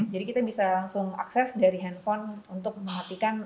jadi kita bisa langsung akses dari handphone untuk mematikan